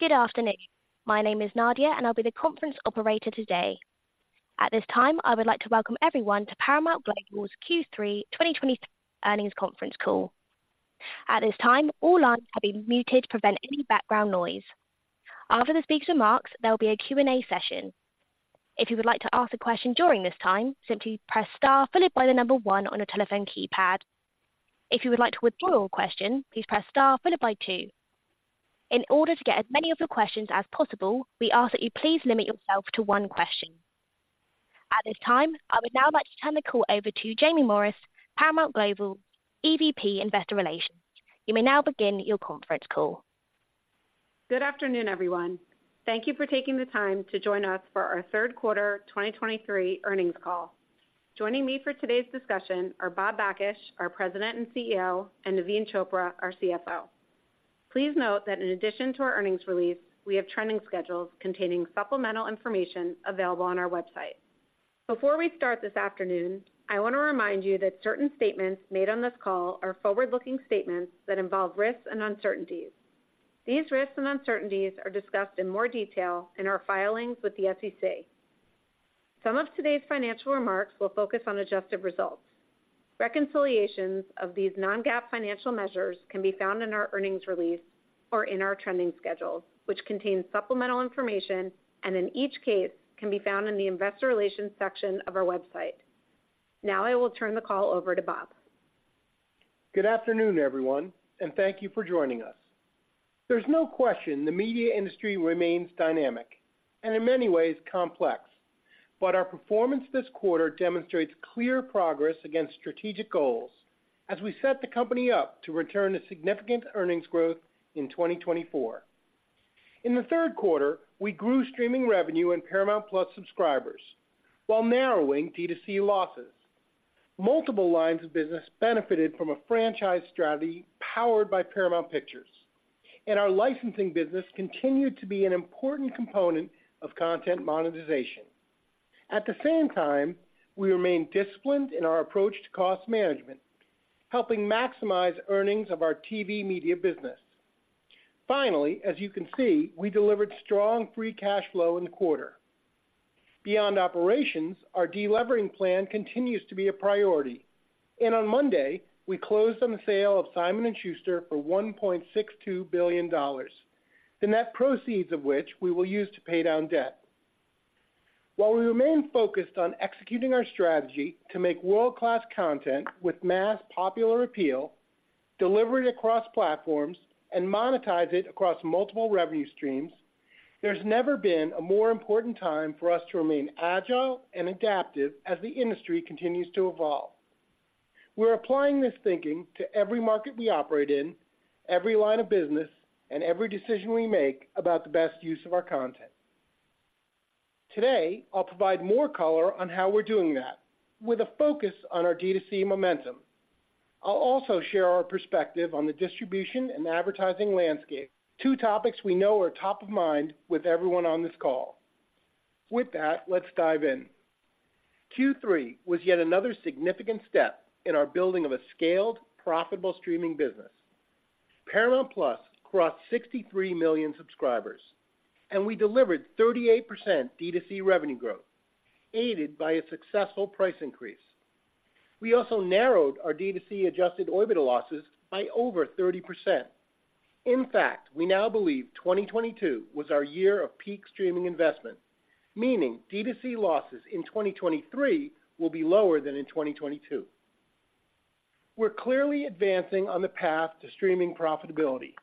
Good afternoon. My name is Nadia, and I'll be the Conference Operator today. At this time, I would like to welcome everyone to Paramount Global's Q3 2023 Earnings Conference Call. At this time, all lines have been muted to prevent any background noise. After the speaker remarks, there will be a Q&A session. If you would like to ask a question during this time, simply press star followed by the number one on your telephone keypad. If you would like to withdraw your question, please press star followed by two. In order to get as many of your questions as possible, we ask that you please limit yourself to one question. At this time, I would now like to turn the call over to Jaime Morris, Paramount Global, EVP, Investor Relations. You may now begin your conference call. Good afternoon, everyone. Thank you for taking the time to join us for our Q3 2023 Earnings Call. Joining me for today's discussion are Bob Bakish, our President and CEO, and Naveen Chopra, our CFO. Please note that in addition to our earnings release, we have trending schedules containing supplemental information available on our website. Before we start this afternoon, I want to remind you that certain statements made on this call are forward-looking statements that involve risks and uncertainties. These risks and uncertainties are discussed in more detail in our filings with the SEC. Some of today's financial remarks will focus on adjusted results. Reconciliations of these non-GAAP financial measures can be found in our earnings release or in our trending schedules, which contain supplemental information and in each case can be found in the Investor Relations section of our website. Now I will turn the call over to Bob. Good afternoon, everyone, and thank you for joining us. There's no question the media industry remains dynamic and in many ways complex, but our performance this quarter demonstrates clear progress against strategic goals as we set the company up to return to significant earnings growth in 2024. In the Q3, we grew streaming revenue and Paramount+ subscribers while narrowing D2C losses. Multiple lines of business benefited from a franchise strategy powered by Paramount Pictures, and our licensing business continued to be an important component of content monetization. At the same time, we remain disciplined in our approach to cost management, helping maximize earnings of our TV media business. Finally, as you can see, we delivered strong free cash flow in the quarter. Beyond operations, our delevering plan continues to be a priority, and on Monday, we closed on the sale of Simon & Schuster for $1.62 billion, the net proceeds of which we will use to pay down debt. While we remain focused on executing our strategy to make world-class content with mass popular appeal, deliver it across platforms, and monetize it across multiple revenue streams, there's never been a more important time for us to remain agile and adaptive as the industry continues to evolve. We're applying this thinking to every market we operate in, every line of business, and every decision we make about the best use of our content. Today, I'll provide more color on how we're doing that with a focus on our D2C momentum. I'll also share our perspective on the distribution and advertising landscape, two topics we know are top of mind with everyone on this call. With that, let's dive in. Q3 was yet another significant step in our building of a scaled, profitable streaming business. Paramount+ crossed 63 million subscribers, and we delivered 38% D2C revenue growth, aided by a successful price increase. We also narrowed our D2C adjusted OIBDA losses by over 30%. In fact, we now believe 2022 was our year of peak streaming investment, meaning D2C losses in 2023 will be lower than in 2022. We're clearly advancing on the path to streaming profitability,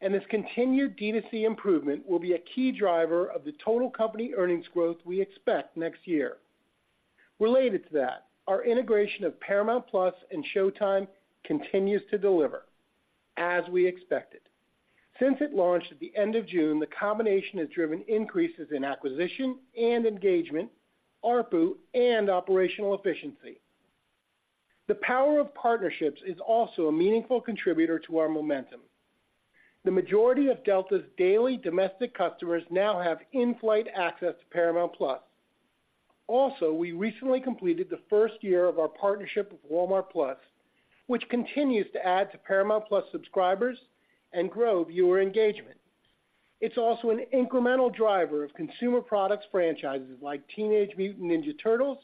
and this continued D2C improvement will be a key driver of the total company earnings growth we expect next year. Related to that, our integration of Paramount+ and Showtime continues to deliver, as we expected. Since it launched at the end of June, the combination has driven increases in acquisition and engagement, ARPU, and operational efficiency. The power of partnerships is also a meaningful contributor to our momentum. The majority of Delta's daily domestic customers now have in-flight access to Paramount+. Also, we recently completed the first year of our partnership with Walmart+, which continues to add to Paramount+ subscribers and grow viewer engagement. It's also an incremental driver of consumer products franchises like Teenage Mutant Ninja Turtles,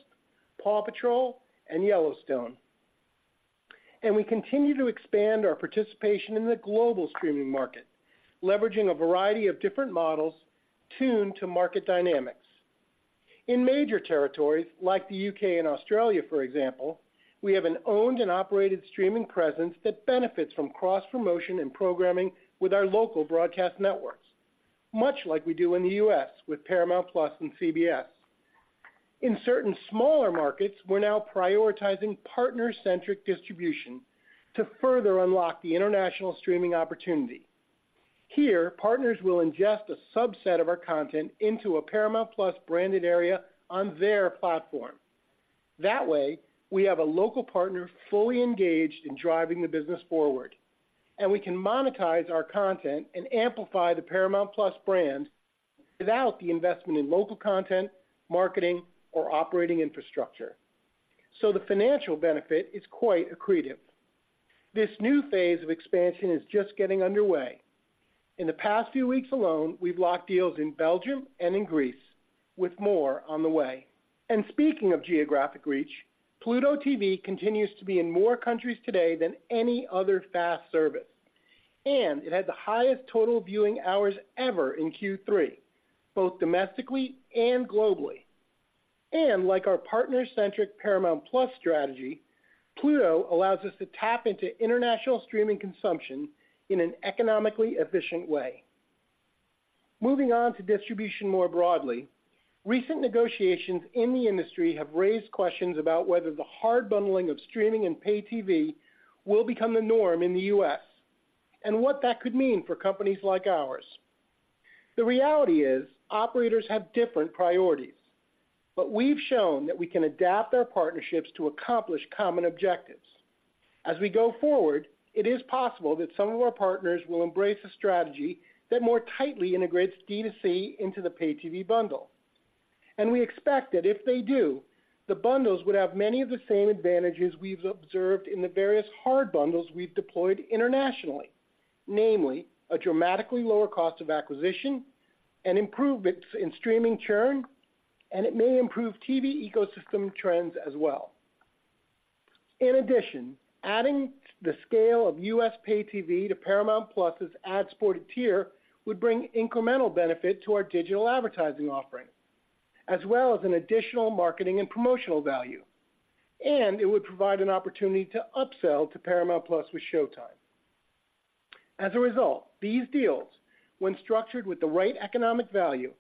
PAW Patrol, and Yellowstone. We continue to expand our participation in the global streaming market, leveraging a variety of different models tuned to market dynamics. In major territories like the UK and Australia, for example, we have an owned and operated streaming presence that benefits from cross promotion and programming with our local broadcast networks, much like we do in the U.S. with Paramount+ and CBS. In certain smaller markets, we're now prioritizing partner-centric distribution to further unlock the international streaming opportunity. Here, partners will ingest a subset of our content into a Paramount+ branded area on their platform. That way, we have a local partner fully engaged in driving the business forward, and we can monetize our content and amplify the Paramount+ brand without the investment in local content, marketing or operating infrastructure. So the financial benefit is quite accretive. This new phase of expansion is just getting underway. In the past few weeks alone, we've locked deals in Belgium and in Greece, with more on the way. Speaking of geographic reach, Pluto TV continues to be in more countries today than any other FAST service, and it had the highest total viewing hours ever in Q3, both domestically and globally. Like our partner-centric Paramount+ strategy, Pluto allows us to tap into international streaming consumption in an economically efficient way. Moving on to distribution more broadly, recent negotiations in the industry have raised questions about whether the hard bundling of streaming and pay TV will become the norm in the U.S., and what that could mean for companies like ours. The reality is, operators have different priorities, but we've shown that we can adapt our partnerships to accomplish common objectives. As we go forward, it is possible that some of our partners will embrace a strategy that more tightly integrates D2C into the pay TV bundle. We expect that if they do, the bundles would have many of the same advantages we've observed in the various hard bundles we've deployed internationally. Namely, a dramatically lower cost of acquisition and improvements in streaming churn, and it may improve TV ecosystem trends as well. In addition, adding the scale of U.S. pay TV to Paramount+ ad-supported tier would bring incremental benefit to our digital advertising offering, as well as an additional marketing and promotional value, and it would provide an opportunity to upsell to Paramount+ with Showtime. As a result, these deals, when structured with the right economic value,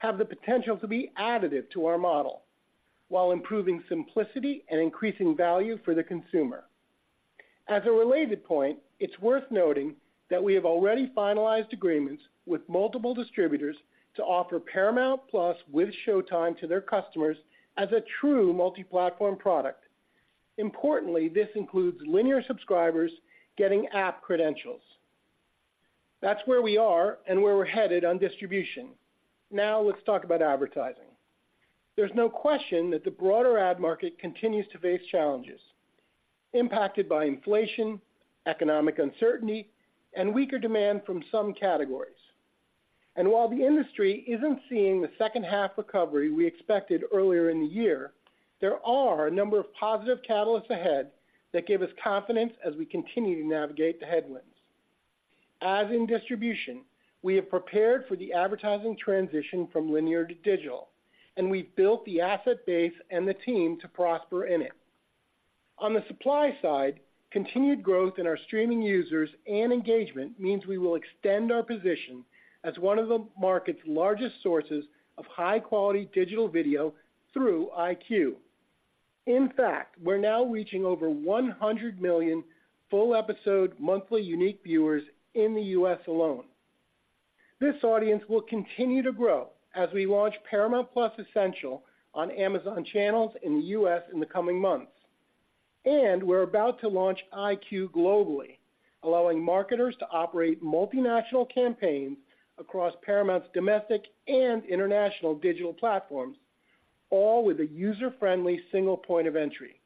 have the potential to be additive to our model, while improving simplicity and increasing value for the consumer. As a related point, it's worth noting that we have already finalized agreements with multiple distributors to offer Paramount+ with Showtime to their customers as a true multi-platform product. Importantly, this includes linear subscribers getting app credentials. That's where we are and where we're headed on distribution. Now, let's talk about advertising. There's no question that the broader ad market continues to face challenges, impacted by inflation, economic uncertainty, and weaker demand from some categories. And while the industry isn't seeing the H2 recovery we expected earlier in the year, there are a number of positive catalysts ahead that give us confidence as we continue to navigate the headwinds. As in distribution, we have prepared for the advertising transition from linear to digital, and we've built the asset base and the team to prosper in it. On the supply side, continued growth in our streaming users and engagement means we will extend our position as one of the market's largest sources of high-quality digital video through EyeQ. In fact, we're now reaching over 100 million full-episode monthly unique viewers in the U.S. alone. This audience will continue to grow as we launch Paramount+ Essential on Amazon Channels in the U.S. in the coming months. And we're about to launch EyeQ globally, allowing marketers to operate multinational campaigns across Paramount's domestic and international digital platforms, all with a user-friendly single point of entry.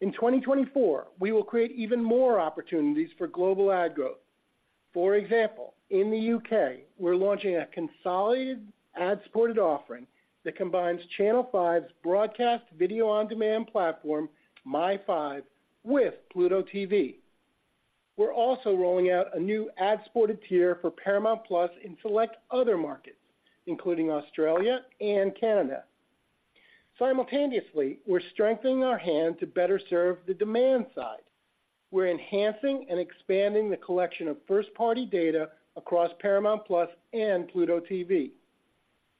In 2024, we will create even more opportunities for global ad growth. For example, in the U.K., we're launching a consolidated ad-supported offering that combines Channel 5's broadcast video-on-demand platform, My5, with Pluto TV. We're also rolling out a new ad-supported tier for Paramount+ in select other markets, including Australia and Canada. Simultaneously, we're strengthening our hand to better serve the demand side. We're enhancing and expanding the collection of first-party data across Paramount+ and Pluto TV.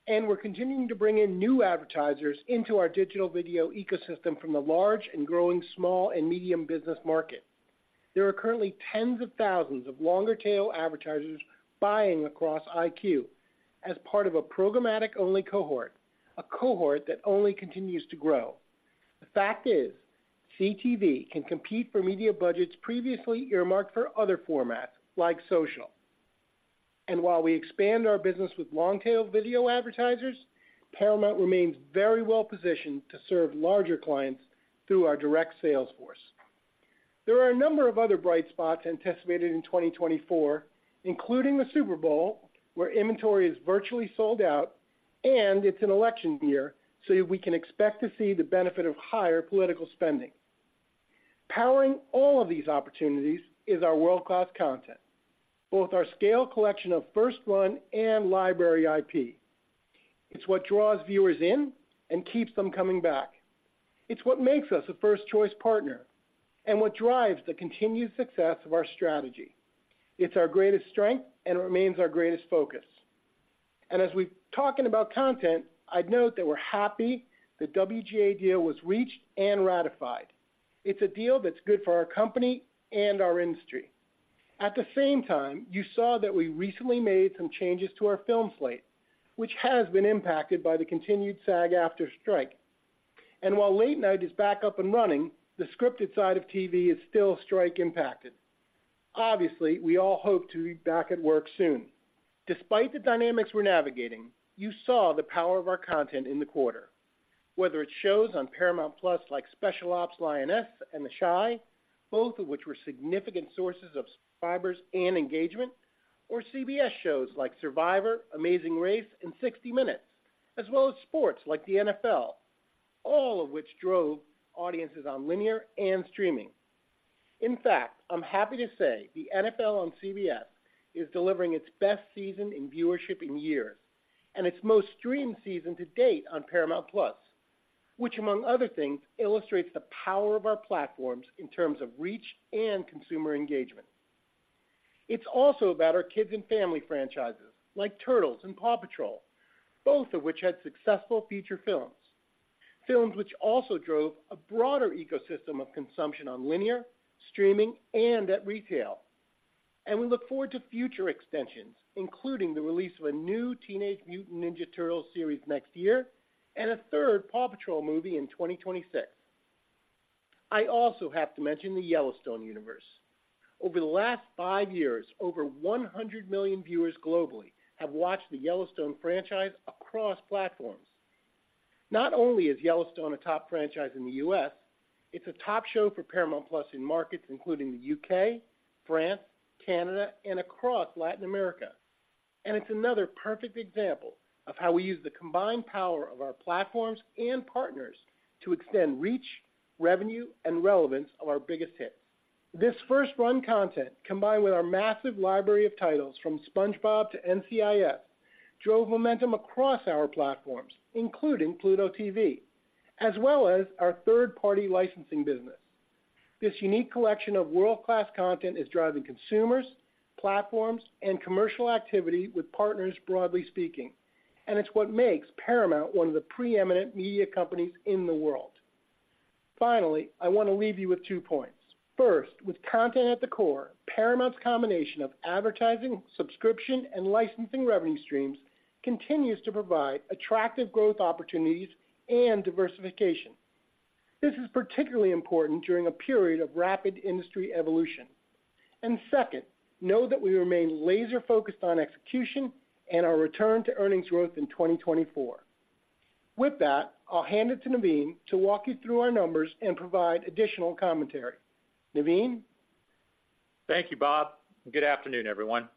We're continuing to bring in new advertisers into our digital video ecosystem from the large and growing small and medium business market. There are currently tens of thousands of longer tail advertisers buying across EyeQ as part of a programmatic-only cohort, a cohort that only continues to grow. The fact is, CTV can compete for media budgets previously earmarked for other formats, like social. And while we expand our business with long-tail video advertisers, Paramount remains very well-positioned to serve larger clients through our direct sales force. There are a number of other bright spots anticipated in 2024, including the Super Bowl, where inventory is virtually sold out, and it's an election year, so we can expect to see the benefit of higher political spending. Powering all of these opportunities is our world-class content, both our scale collection of first-run and library IP. It's what draws viewers in and keeps them coming back. It's what makes us a first-choice partner and what drives the continued success of our strategy. It's our greatest strength and remains our greatest focus. And as we're talking about content, I'd note that we're happy the WGA deal was reached and ratified. It's a deal that's good for our company and our industry. At the same time, you saw that we recently made some changes to our film slate, which has been impacted by the continued SAG-AFTRA strike. While late night is back up and running, the scripted side of TV is still strike-impacted. obviously, we all hope to be back at work soon. Despite the dynamics we're navigating, you saw the power of our content in the quarter, whether it's shows on Paramount+, like Special Ops: Lioness and The Chi, both of which were significant sources of subscribers and engagement, or CBS shows like Survivor, Amazing Race, and 60 Minutes, as well as sports like the NFL, all of which drove audiences on linear and streaming. In fact, I'm happy to say, the NFL on CBS is delivering its best season in viewership in years, and its most streamed season to date on Paramount+, which, among other things, illustrates the power of our platforms in terms of reach and consumer engagement. It's also about our kids and family franchises, like Turtles and PAW Patrol, both of which had successful feature films, films which also drove a broader ecosystem of consumption on linear, streaming, and at retail. And we look forward to future extensions, including the release of a new Teenage Mutant Ninja Turtles series next year, and a third PAW Patrol movie in 2026. I also have to mention the Yellowstone universe. Over the last five years, over 100 million viewers globally have watched the Yellowstone franchise across platforms. Not only is Yellowstone a top franchise in the U.S., it's a top show for Paramount+ in markets, including the U.K., France, Canada, and across Latin America. And it's another perfect example of how we use the combined power of our platforms and partners to extend reach, revenue, and relevance of our biggest hits. This first-run content, combined with our massive library of titles from SpongeBob to NCIS, drove momentum across our platforms, including Pluto TV, as well as our third-party licensing business. This unique collection of world-class content is driving consumers, platforms, and commercial activity with partners, broadly speaking, and it's what makes Paramount one of the preeminent media companies in the world. Finally, I wanna leave you with two points. First, with content at the core, Paramount's combination of advertising, subscription, and licensing revenue streams continues to provide attractive growth opportunities and diversification. This is particularly important during a period of rapid industry evolution. And second, know that we remain laser-focused on execution and our return to earnings growth in 2024. With that, I'll hand it to Naveen to walk you through our numbers and provide additional commentary. Naveen? Thank you, Bob, and good afternoon, everyone.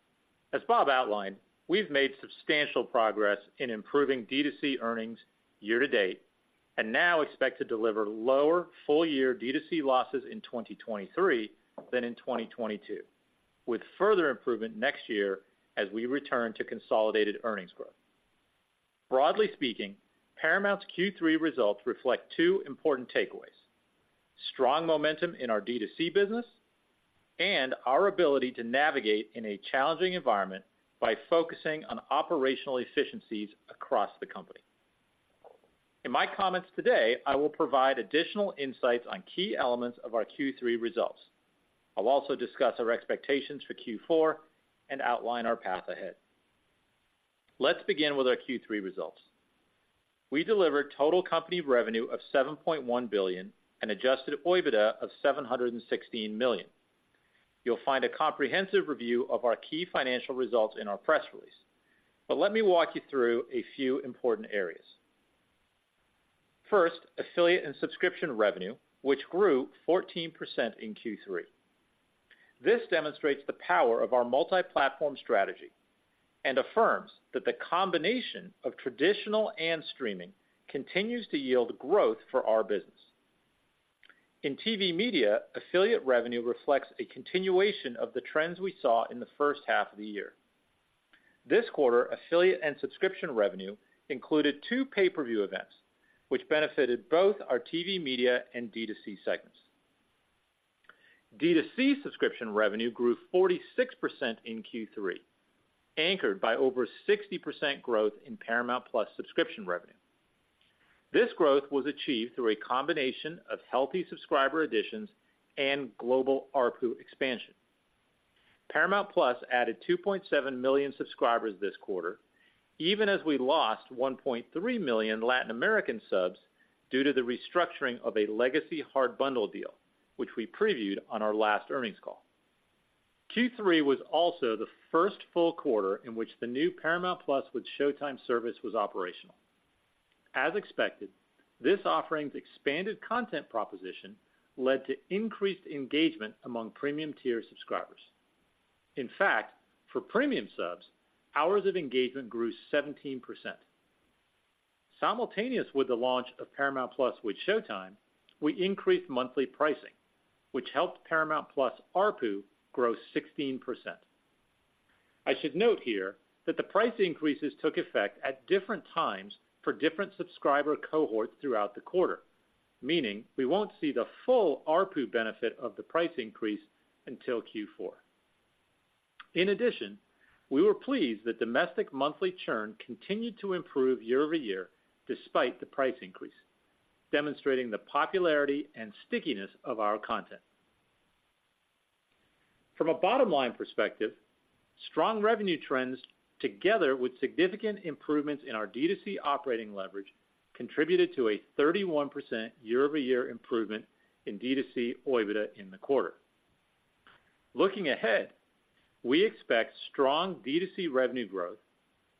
As Bob outlined, we've made substantial progress in improving D2C earnings year to date, and now expect to deliver lower full year D2C losses in 2023 than in 2022, with further improvement next year as we return to consolidated earnings growth. Broadly speaking, Paramount's Q3 results reflect two important takeaways: strong momentum in our D2C business, and our ability to navigate in a challenging environment by focusing on operational efficiencies across the company. In my comments today, I will provide additional insights on key elements of our Q3 results. I'll also discuss our expectations for Q4 and outline our path ahead. Let's begin with our Q3 results. We delivered total company revenue of $7.1 billion and adjusted OIBDA of $716 million. You'll find a comprehensive review of our key financial results in our press release, but let me walk you through a few important areas. First, affiliate and subscription revenue, which grew 14% in Q3. This demonstrates the power of our multi-platform strategy and affirms that the combination of traditional and streaming continues to yield growth for our business. In TV media, affiliate revenue reflects a continuation of the trends we saw in the H1 of the year. This quarter, affiliate and subscription revenue included 2 pay-per-view events, which benefited both our TV media and D2C segments. D2C subscription revenue grew 46% in Q3, anchored by over 60% growth in Paramount+ subscription revenue. This growth was achieved through a combination of healthy subscriber additions and global ARPU expansion. Paramount+ added 2.7 million subscribers this quarter, even as we lost 1.3 million Latin America subs due to the restructuring of a legacy hard bundle deal, which we previewed on our last earnings call. Q3 was also the first full quarter in which the new Paramount+ with Showtime service was operational. As expected, this offering's expanded content proposition led to increased engagement among premium tier subscribers. In fact, for premium subs, hours of engagement grew 17%. Simultaneous with the launch of Paramount+ with Showtime, we increased monthly pricing, which helped Paramount+ ARPU grow 16%. I should note here that the price increases took effect at different times for different subscriber cohorts throughout the quarter, meaning we won't see the full ARPU benefit of the price increase until Q4. In addition, we were pleased that domestic monthly churn continued to improve year-over-year despite the price increase, demonstrating the popularity and stickiness of our content. From a bottom-line perspective. Strong revenue trends, together with significant improvements in our D2C operating leverage, contributed to a 31% year-over-year improvement in D2C OIBDA in the quarter. Looking ahead, we expect strong D2C revenue growth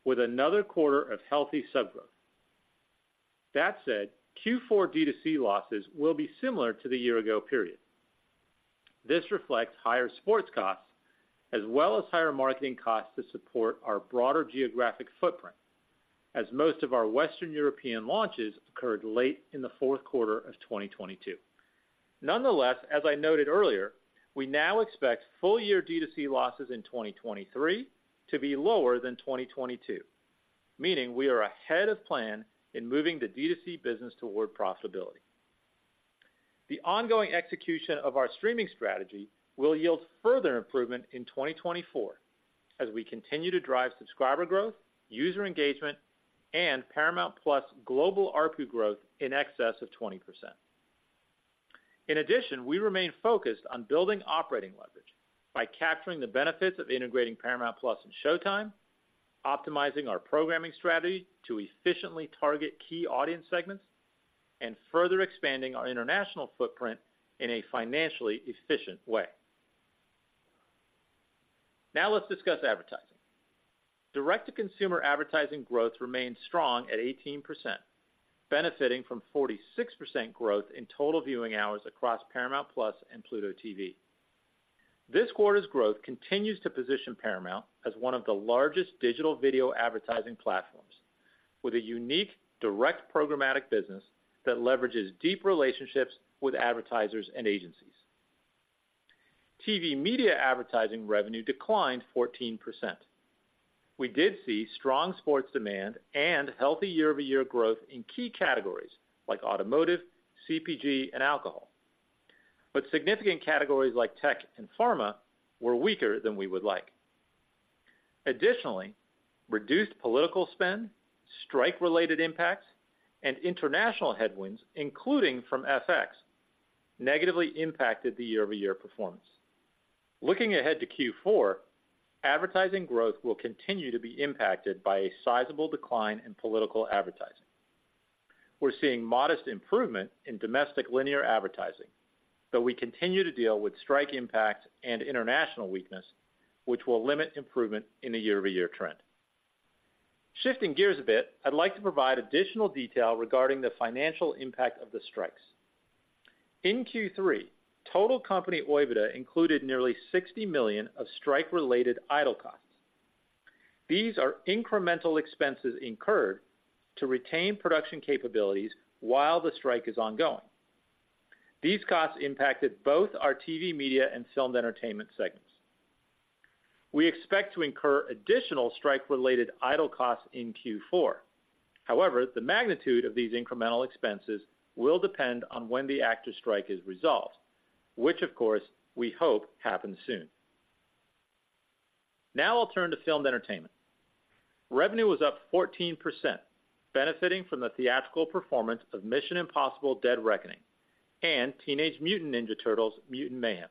with another quarter of healthy sub growth. That said, Q4 D2C losses will be similar to the year ago period. This reflects higher sports costs, as well as higher marketing costs to support our broader geographic footprint, as most of our Western European launches occurred late in the Q4 of 2022. Nonetheless, as I noted earlier, we now expect full year D2C losses in 2023 to be lower than 2022, meaning we are ahead of plan in moving the D2C business toward profitability. The ongoing execution of our streaming strategy will yield further improvement in 2024, as we continue to drive subscriber growth, user engagement, and Paramount+ global ARPU growth in excess of 20%. In addition, we remain focused on building operating leverage by capturing the benefits of integrating Paramount+ and Showtime, optimizing our programming strategy to efficiently target key audience segments, and further expanding our international footprint in a financially efficient way. Now let's discuss advertising. Direct-to-consumer advertising growth remains strong at 18%, benefiting from 46% growth in total viewing hours across Paramount+ and Pluto TV. This quarter's growth continues to position Paramount as one of the largest digital video advertising platforms, with a unique, direct programmatic business that leverages deep relationships with advertisers and agencies. TV media advertising revenue declined 14%. We did see strong sports demand and healthy year-over-year growth in key categories like automotive, CPG, and alcohol, but significant categories like tech and pharma were weaker than we would like. Additionally, reduced political spend, strike-related impacts, and international headwinds, including from FX, negatively impacted the year-over-year performance. Looking ahead to Q4, advertising growth will continue to be impacted by a sizable decline in political advertising. We're seeing modest improvement in domestic linear advertising, but we continue to deal with strike impacts and international weakness, which will limit improvement in a year-over-year trend. Shifting gears a bit, I'd like to provide additional detail regarding the financial impact of the strikes. In Q3, total company OIBDA included nearly $60 million of strike-related idle costs. These are incremental expenses incurred to retain production capabilities while the strike is ongoing. These costs impacted both our TV media and filmed entertainment segments. We expect to incur additional strike-related idle costs in Q4. However, the magnitude of these incremental expenses will depend on when the actor strike is resolved, which, of course, we hope happens soon. Now I'll turn to filmed entertainment. Revenue was up 14%, benefiting from the theatrical performance of Mission: Impossible – Dead Reckoning, and Teenage Mutant Ninja Turtles: Mutant Mayhem.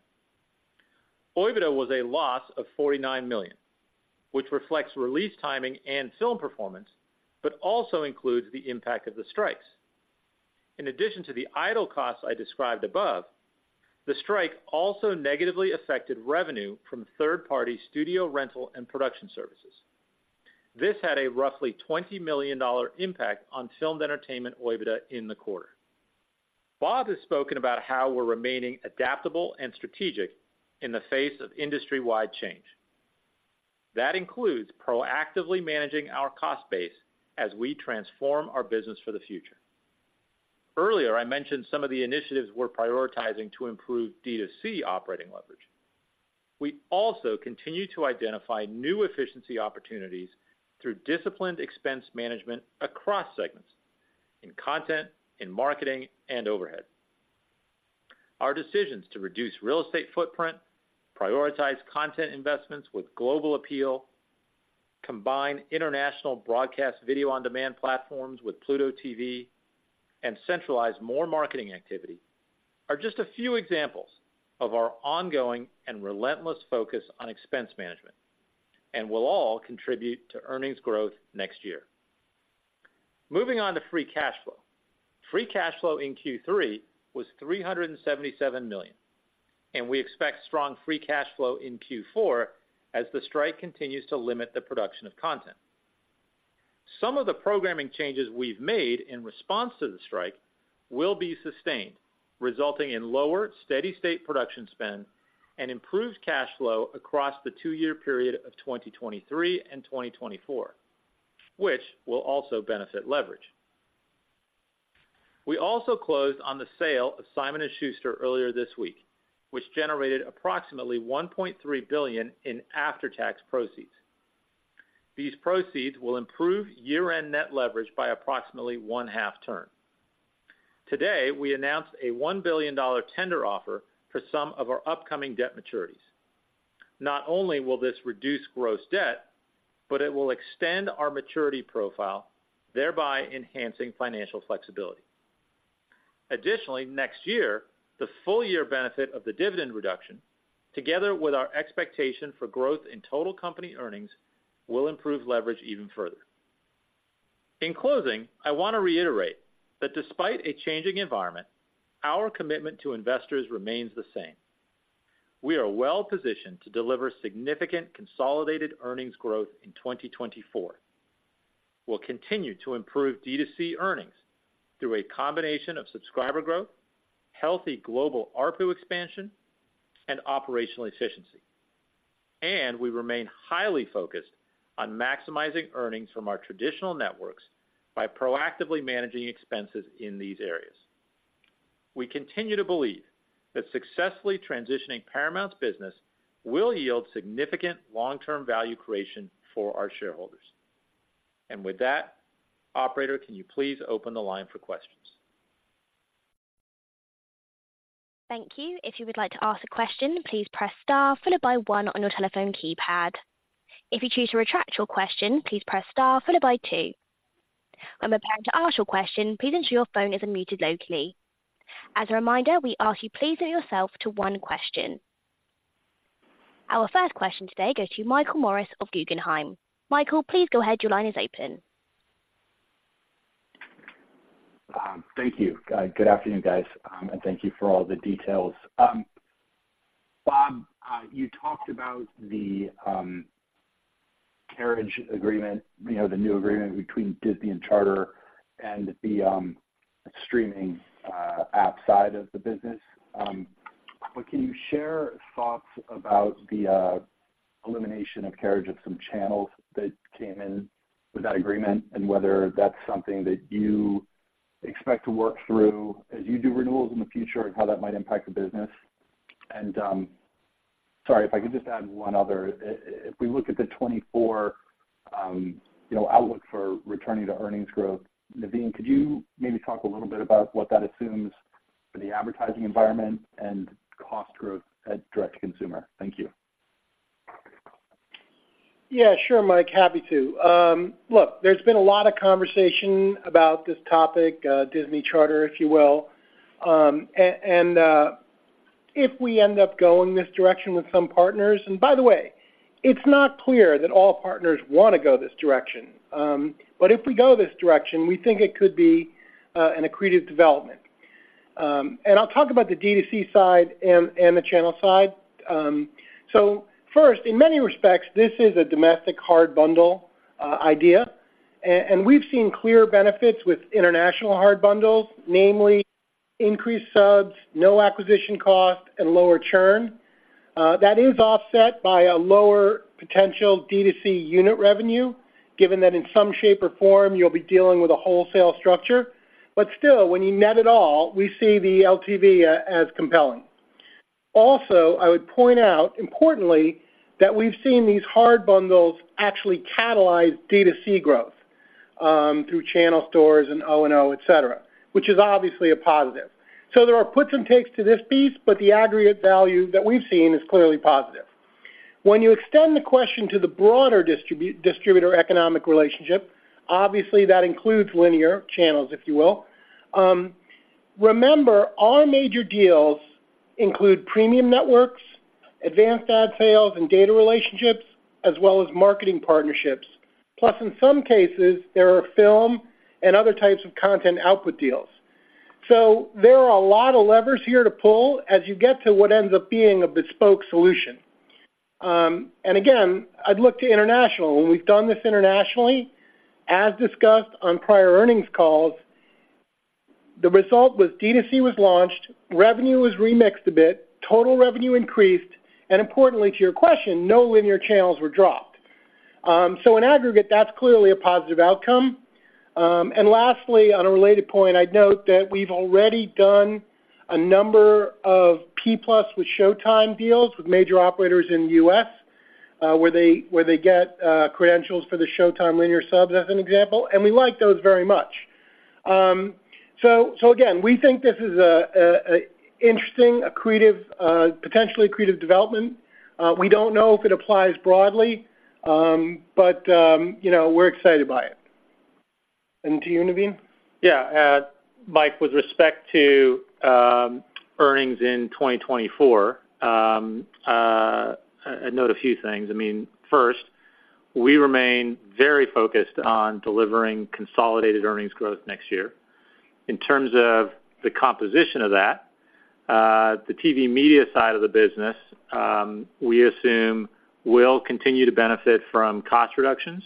OIBDA was a loss of $49 million, which reflects release timing and film performance, but also includes the impact of the strikes. In addition to the idle costs I described above, the strike also negatively affected revenue from third-party studio rental and production services. This had a roughly $20 million impact on Filmed Entertainment OIBDA in the quarter. Bob has spoken about how we're remaining adaptable and strategic in the face of industry-wide change. That includes proactively managing our cost base as we transform our business for the future. Earlier, I mentioned some of the initiatives we're prioritizing to improve D2C operating leverage. We also continue to identify new efficiency opportunities through disciplined expense management across segments, in content, in marketing, and overhead. Our decisions to reduce real estate footprint, prioritize content investments with global appeal, combine international broadcast video-on-demand platforms with Pluto TV, and centralize more marketing activity, are just a few examples of our ongoing and relentless focus on expense management, and will all contribute to earnings growth next year. Moving on to free cash flow. Free cash flow in Q3 was $377 million, and we expect strong free cash flow in Q4 as the strike continues to limit the production of content. Some of the programming changes we've made in response to the strike will be sustained, resulting in lower, steady state production spend and improved cash flow across the two-year period of 2023 and 2024, which will also benefit leverage. We also closed on the sale of Simon & Schuster earlier this week, which generated approximately $1.3 billion in after-tax proceeds. These proceeds will improve year-end net leverage by approximately 0.5 turn. Today, we announced a $1 billion tender offer for some of our upcoming debt maturities. Not only will this reduce gross debt, but it will extend our maturity profile, thereby enhancing financial flexibility.... Additionally, next year, the full year benefit of the dividend reduction, together with our expectation for growth in total company earnings, will improve leverage even further. In closing, I want to reiterate that despite a changing environment, our commitment to investors remains the same. We are well positioned to deliver significant consolidated earnings growth in 2024. We'll continue to improve D2C earnings through a combination of subscriber growth, healthy global ARPU expansion, and operational efficiency. And we remain highly focused on maximizing earnings from our traditional networks by proactively managing expenses in these areas. We continue to believe that successfully transitioning Paramount's business will yield significant long-term value creation for our shareholders. And with that, operator, can you please open the line for questions? Thank you. If you would like to ask a question, please press star followed by one on your telephone keypad. If you choose to retract your question, please press star followed by two. When preparing to ask your question, please ensure your phone isn't muted locally. As a reminder, we ask you please limit yourself to one question. Our first question today goes to Michael Morris of Guggenheim. Michael, please go ahead. Your line is open. Thank you. Good afternoon, guys, and thank you for all the details. Bob, you talked about the carriage agreement, you know, the new agreement between Disney and Charter and the streaming app side of the business. But can you share thoughts about the elimination of carriage of some channels that came in with that agreement and whether that's something that you expect to work through as you do renewals in the future, and how that might impact the business? Sorry, if I could just add one other. If we look at the 2024 outlook for returning to earnings growth, Naveen, could you maybe talk a little bit about what that assumes for the advertising environment and cost growth at direct-to-consumer? Thank you. Yeah, sure, Mike. Happy to. Look, there's been a lot of conversation about this topic, Disney Charter, if you will. And if we end up going this direction with some partners, and by the way, it's not clear that all partners want to go this direction, but if we go this direction, we think it could be an accretive development. And I'll talk about the D2C side and the channel side. So first, in many respects, this is a domestic hard bundle idea, and we've seen clear benefits with international hard bundles, namely increased subs, no acquisition cost, and lower churn. That is offset by a lower potential D2C unit revenue, given that in some shape or form you'll be dealing with a wholesale structure. But still, when you net it all, we see the LTV as compelling. Also, I would point out, importantly, that we've seen these hard bundles actually catalyze D2C growth through channel stores and O&O, et cetera, which is obviously a positive. So there are puts and takes to this piece, but the aggregate value that we've seen is clearly positive. When you extend the question to the broader distributor economic relationship, obviously that includes linear channels, if you will. Remember, all major deals include premium networks, advanced ad sales and data relationships, as well as marketing partnerships. Plus, in some cases, there are film and other types of content output deals. So there are a lot of levers here to pull as you get to what ends up being a bespoke solution. And again, I'd look to international. When we've done this internationally, as discussed on prior earnings calls, the result was D2C was launched, revenue was remixed a bit, total revenue increased, and importantly to your question, no linear channels were dropped. So in aggregate, that's clearly a positive outcome. And lastly, on a related point, I'd note that we've already done a number of P+ with Showtime deals with major operators in the U.S., where they get credentials for the Showtime linear subs, as an example, and we like those very much. So again, we think this is an interesting, accretive, potentially accretive development. We don't know if it applies broadly, but you know, we're excited by it. And to you, Naveen? Yeah, Mike, with respect to earnings in 2024, I'd note a few things. I mean, first, we remain very focused on delivering consolidated earnings growth next year. In terms of the composition of that, the TV media side of the business, we assume, will continue to benefit from cost reductions.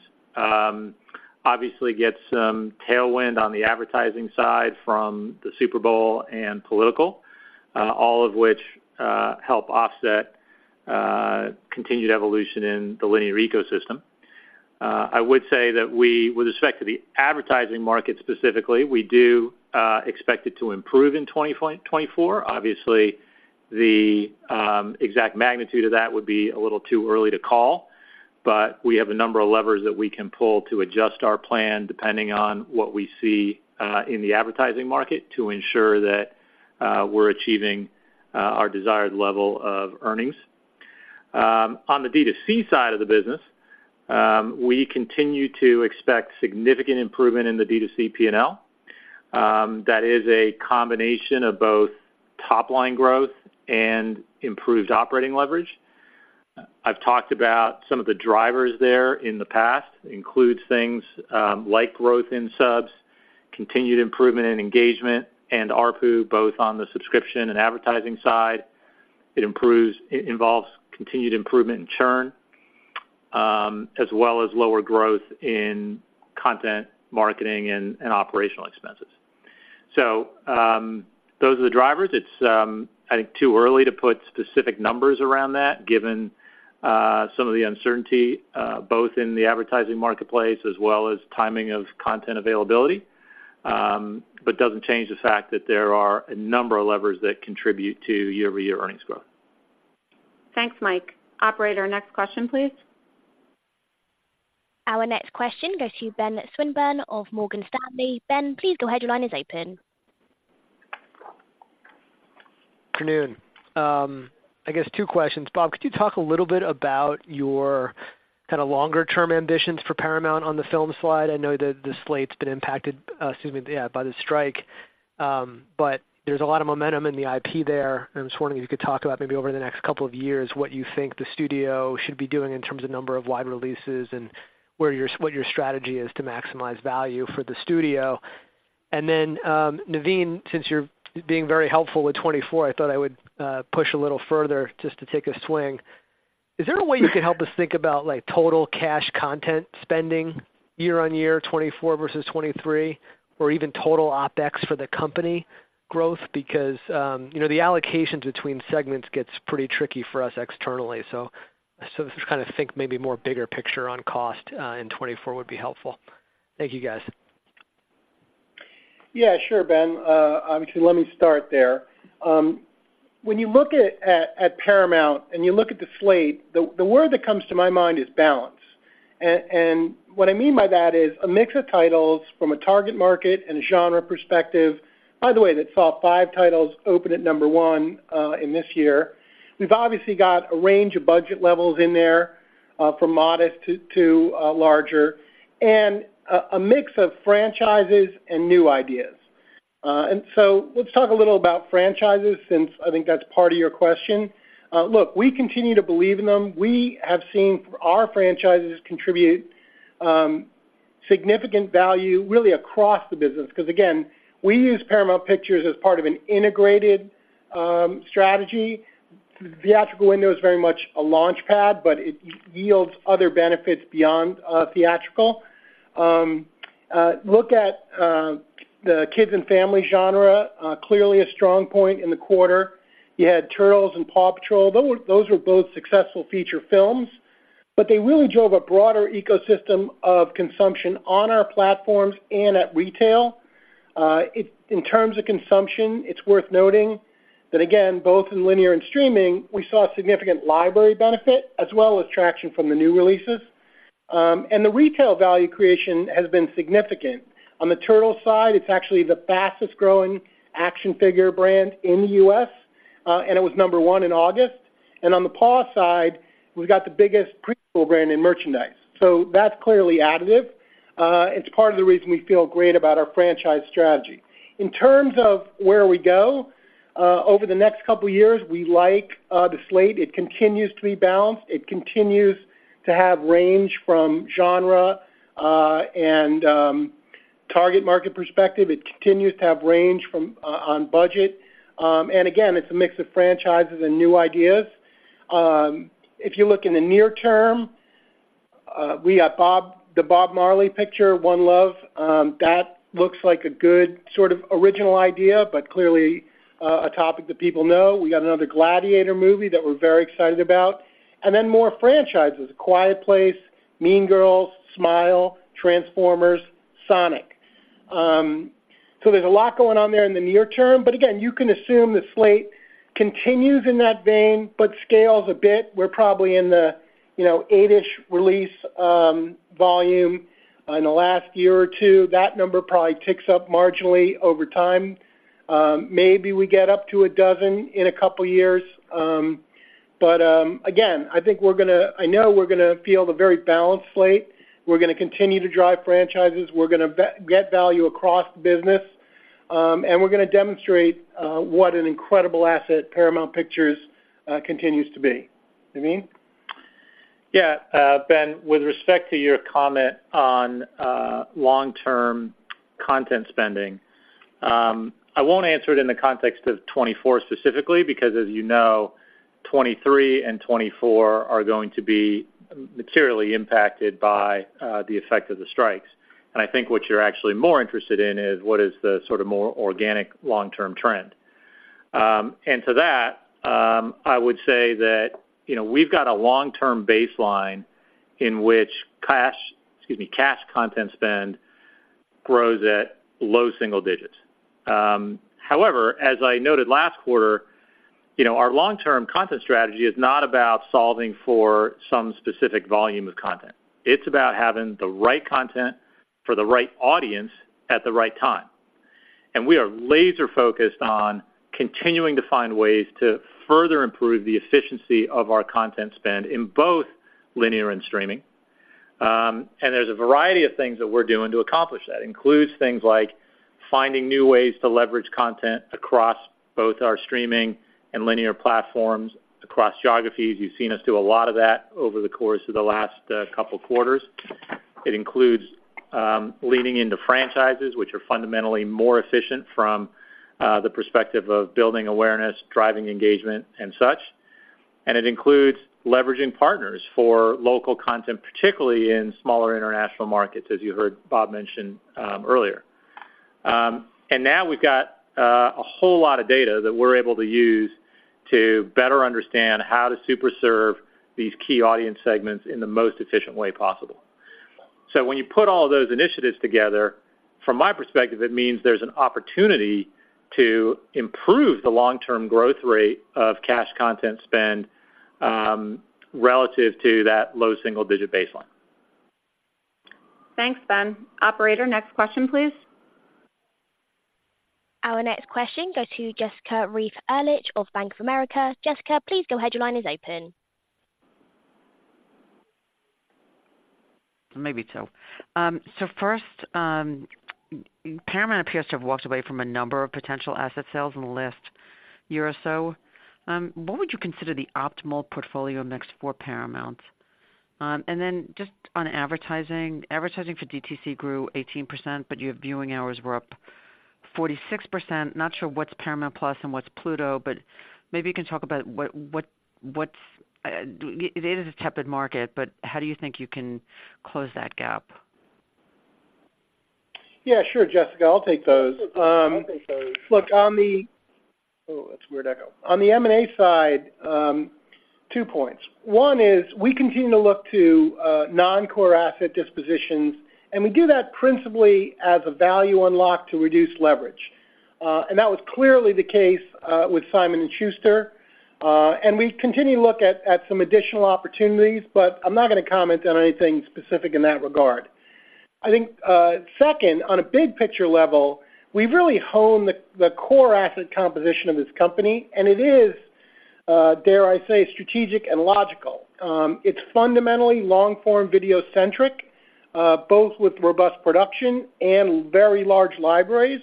Obviously, get some tailwind on the advertising side from the Super Bowl and political, all of which help offset continued evolution in the linear ecosystem. I would say that we, with respect to the advertising market specifically, we do expect it to improve in 2024. Obviously, the exact magnitude of that would be a little too early to call, but we have a number of levers that we can pull to adjust our plan depending on what we see in the advertising market to ensure that we're achieving our desired level of earnings. On the D2C side of the business, we continue to expect significant improvement in the D2C P&L. That is a combination of both top line growth and improved operating leverage. I've talked about some of the drivers there in the past, includes things like growth in subs, continued improvement in engagement, and ARPU, both on the subscription and advertising side. It involves continued improvement in churn, as well as lower growth in content, marketing, and operational expenses. Those are the drivers. It's, I think, too early to put specific numbers around that, given, some of the uncertainty, both in the advertising marketplace as well as timing of content availability. But doesn't change the fact that there are a number of levers that contribute to year-over-year earnings growth. Thanks, Mike. Operator, next question, please. Our next question goes to Ben Swinburne of Morgan Stanley. Ben, please go ahead. Your line is open. Good afternoon. I guess two questions. Bob, could you talk a little bit about your kinda longer-term ambitions for Paramount on the film slide? I know that the slate's been impacted, excuse me, yeah, by the strike, but there's a lot of momentum in the IP there, and I was wondering if you could talk about maybe over the next couple of years, what you think the studio should be doing in terms of number of wide releases and where your, what your strategy is to maximize value for the studio. And then, Naveen, since you're being very helpful with 2024, I thought I would push a little further just to take a swing. Is there a way you could help us think about, like, total cash content spending year on year, 2024 versus 2023, or even total OpEx for the company growth? Because, you know, the allocations between segments gets pretty tricky for us externally. So, just kinda think maybe more bigger picture on cost in 2024 would be helpful. Thank you, guys. Yeah, sure, Ben. Obviously, let me start there. When you look at Paramount and you look at the slate, the word that comes to my mind is balance. And what I mean by that is a mix of titles from a target market and a genre perspective, by the way, that saw five titles open at number one in this year. We've obviously got a range of budget levels in there, from modest to larger, and a mix of franchises and new ideas. And so let's talk a little about franchises since I think that's part of your question. Look, we continue to believe in them. We have seen our franchises contribute significant value, really across the business, because, again, we use Paramount Pictures as part of an integrated strategy. Theatrical window is very much a launch pad, but it yields other benefits beyond theatrical. Look at the kids and family genre, clearly a strong point in the quarter. You had Turtles and Paw Patrol. Those were, those were both successful feature films, but they really drove a broader ecosystem of consumption on our platforms and at retail. In terms of consumption, it's worth noting that, again, both in linear and streaming, we saw significant library benefit, as well as traction from the new releases. The retail value creation has been significant. On the Turtles side, it's actually the fastest-growing action figure brand in the U.S., and it was number one in August. And on the Paw side, we've got the biggest preschool brand in merchandise. So that's clearly additive. It's part of the reason we feel great about our franchise strategy. In terms of where we go over the next couple of years, we like the slate. It continues to be balanced. It continues to have range from genre and target market perspective. It continues to have range from on budget. And again, it's a mix of franchises and new ideas. If you look in the near term, we got the Bob Marley: One Love picture that looks like a good sort of original idea, but clearly a topic that people know. We got another Gladiator movie that we're very excited about. And then more franchises, A Quiet Place, Mean Girls, Smile, Transformers, Sonic. So there's a lot going on there in the near term, but again, you can assume the slate continues in that vein, but scales a bit. We're probably in the, you know, 8-ish release volume in the last year or two. That number probably ticks up marginally over time. Maybe we get up to a dozen in a couple of years. But, again, I think we're gonna... I know we're gonna field a very balanced slate. We're gonna continue to drive franchises. We're gonna get value across the business, and we're gonna demonstrate what an incredible asset Paramount Pictures continues to be. Naveen? Yeah, Ben, with respect to your comment on long-term content spending, I won't answer it in the context of 2024 specifically, because as you know, 2023 and 2024 are going to be materially impacted by the effect of the strikes. And I think what you're actually more interested in is what is the sort of more organic long-term trend. And to that, I would say that, you know, we've got a long-term baseline in which cash, excuse me, cash content spend grows at low single digits. However, as I noted last quarter, you know, our long-term content strategy is not about solving for some specific volume of content. It's about having the right content for the right audience at the right time.... And we are laser focused on continuing to find ways to further improve the efficiency of our content spend in both linear and streaming. And there's a variety of things that we're doing to accomplish that. It includes things like finding new ways to leverage content across both our streaming and linear platforms, across geographies. You've seen us do a lot of that over the course of the last couple quarters. It includes leaning into franchises, which are fundamentally more efficient from the perspective of building awareness, driving engagement, and such. And it includes leveraging partners for local content, particularly in smaller international markets, as you heard Bob mention earlier. And now we've got a whole lot of data that we're able to use to better understand how to super serve these key audience segments in the most efficient way possible. So when you put all those initiatives together, from my perspective, it means there's an opportunity to improve the long-term growth rate of cash content spend relative to that low single-digit baseline. Thanks, Ben. Operator, next question, please. Our next question goes to Jessica Reif Ehrlich of Bank of America. Jessica, please go ahead. Your line is open. Maybe so. So first, Paramount appears to have walked away from a number of potential asset sales in the last year or so. What would you consider the optimal portfolio mix for Paramount? And then just on advertising, advertising for DTC grew 18%, but your viewing hours were up 46%. Not sure what's Paramount+ and what's Pluto, but maybe you can talk about what it is a tepid market, but how do you think you can close that gap? Yeah, sure, Jessica, I'll take those. On the M&A side, two points. One is we continue to look to non-core asset dispositions, and we do that principally as a value unlock to reduce leverage. And that was clearly the case with Simon & Schuster. And we continue to look at some additional opportunities, but I'm not gonna comment on anything specific in that regard. I think, second, on a big picture level, we've really honed the core asset composition of this company, and it is dare I say, strategic and logical. It's fundamentally long-form, video-centric, both with robust production and very large libraries.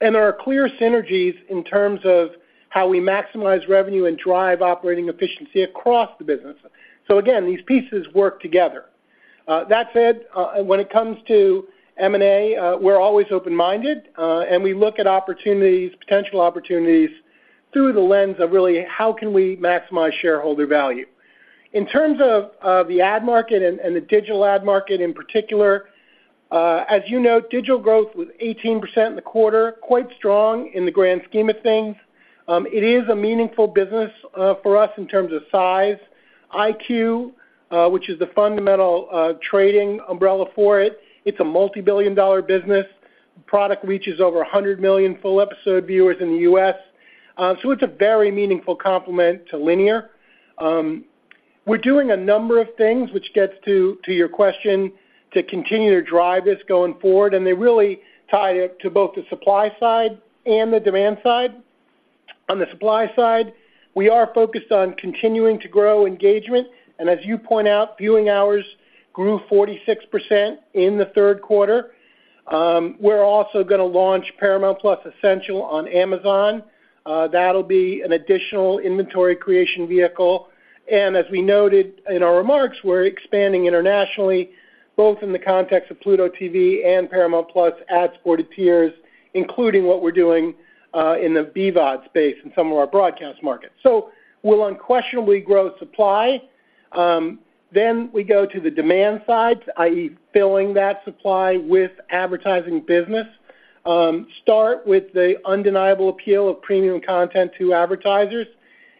And there are clear synergies in terms of how we maximize revenue and drive operating efficiency across the business. So again, these pieces work together. That said, when it comes to M&A, we're always open-minded, and we look at opportunities, potential opportunities through the lens of really, how can we maximize shareholder value? In terms of the ad market and the digital ad market, in particular, as you note, digital growth was 18% in the quarter, quite strong in the grand scheme of things. It is a meaningful business for us in terms of size. EyeQ, which is the fundamental trading umbrella for it, it's a multibillion-dollar business. Product reaches over 100 million full episode viewers in the U.S. So it's a very meaningful complement to linear. We're doing a number of things, which gets to your question, to continue to drive this going forward, and they really tie it to both the supply side and the demand side. On the supply side, we are focused on continuing to grow engagement, and as you point out, viewing hours grew 46% in the Q3. We're also gonna launch Paramount+ Essential on Amazon. That'll be an additional inventory creation vehicle. And as we noted in our remarks, we're expanding internationally, both in the context of Pluto TV and Paramount+ ad-supported tiers, including what we're doing in the VOD space in some of our broadcast markets. So we'll unquestionably grow supply. Then we go to the demand side, i.e., filling that supply with advertising business. Start with the undeniable appeal of premium content to advertisers,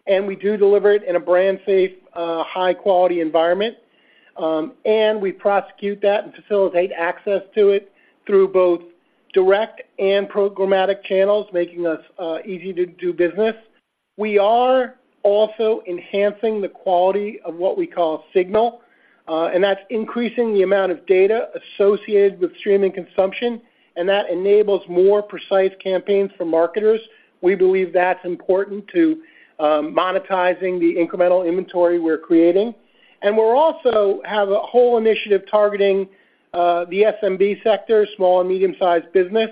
and we do deliver it in a brand safe, high-quality environment. And we prosecute that and facilitate access to it through both direct and programmatic channels, making us easy to do business. We are also enhancing the quality of what we call signal, and that's increasing the amount of data associated with streaming consumption, and that enables more precise campaigns for marketers. We believe that's important to monetizing the incremental inventory we're creating. We're also have a whole initiative targeting the SMB sector, small and medium-sized business.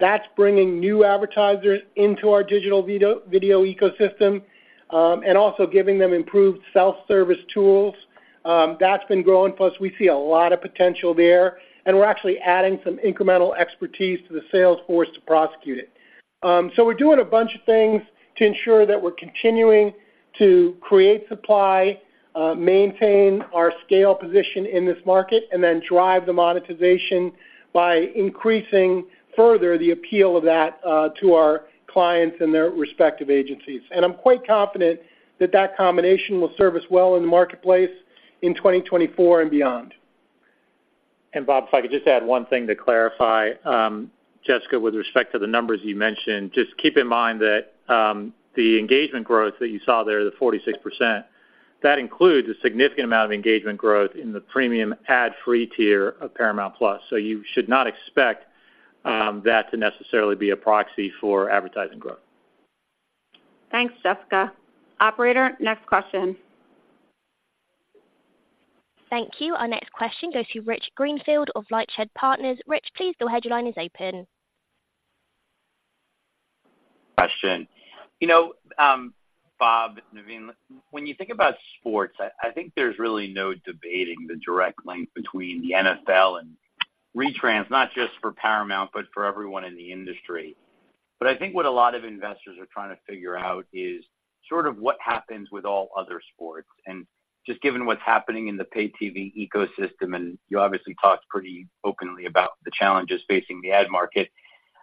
That's bringing new advertisers into our digital video ecosystem, and also giving them improved self-service tools. That's been growing, plus, we see a lot of potential there, and we're actually adding some incremental expertise to the sales force to prosecute it. So we're doing a bunch of things to ensure that we're continuing to create supply, maintain our scale position in this market, and then drive the monetization by increasing further the appeal of that to our clients and their respective agencies. And I'm quite confident that that combination will serve us well in the marketplace in 2024 and beyond. Bob, if I could just add one thing to clarify, Jessica, with respect to the numbers you mentioned, just keep in mind that the engagement growth that you saw there, the 46%, that includes a significant amount of engagement growth in the premium ad-free tier of Paramount+. So you should not expect that to necessarily be a proxy for advertising growth. Thanks, Jessica. Operator, next question. Thank you. Our next question goes to Rich Greenfield of LightShed Partners. Rich, please, go ahead, your line is open. Question. You know, Bob, Naveen, when you think about sports, I think there's really no debating the direct link between the NFL and retrans, not just for Paramount, but for everyone in the industry. But I think what a lot of investors are trying to figure out is sort of what happens with all other sports. And just given what's happening in the pay TV ecosystem, and you obviously talked pretty openly about the challenges facing the ad market.